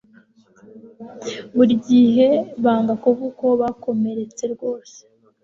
Buri gihe banga kuvuga uko bakomeretse rwose